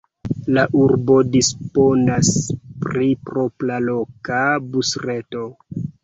La urbo disponas pri propra loka busreto.